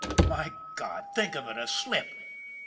My God! think of it a slip.